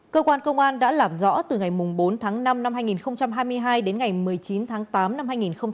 cơ quan công an đã làm rõ từ ngày bốn tháng năm năm hai nghìn hai mươi hai đến ngày một mươi chín tháng tám năm hai nghìn hai mươi ba